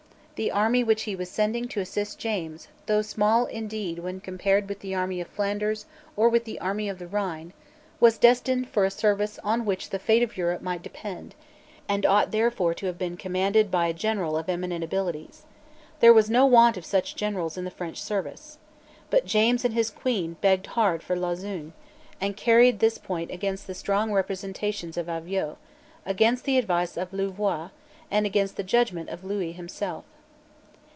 The army which he was sending to assist James, though small indeed when compared with the army of Flanders or with the army of the Rhine, was destined for a service on which the fate of Europe might depend, and ought therefore to have been commanded by a general of eminent abilities. There was no want of such generals in the French service. But James and his Queen begged hard for Lauzun, and carried this point against the strong representations of Avaux, against the advice of Louvois, and against the judgment of Lewis himself.